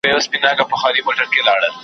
توبه ګار چي له توبې یم چي پرهېز یم له ثوابه .